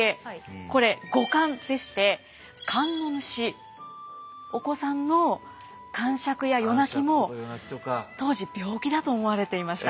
これ五疳でして疳の虫お子さんのかんしゃくや夜泣きも当時病気だと思われていました。